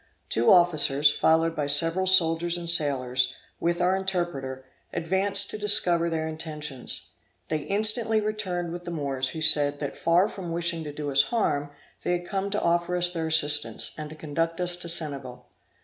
Two officers, followed by several soldiers and sailors, with our interpreter, advanced to discover their intentions. They instantly returned with the Moors, who said, that far from wishing to do us harm, they had come to offer us their assistance, and to conduct us to Senegal.